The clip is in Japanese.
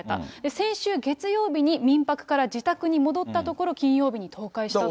先週月曜日に、民泊から自宅に戻ったところ、金曜日に倒壊したと。